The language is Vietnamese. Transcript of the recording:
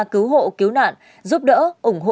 cứu hộ cứu nạn giúp đỡ ủng hộ